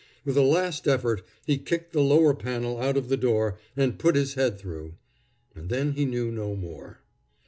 With a last effort, he kicked the lower panel out of the door, and put his head through. And then he knew no more.